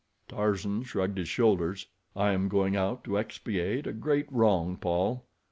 Tarzan shrugged his shoulders. "I am going out to expiate a great wrong, Paul.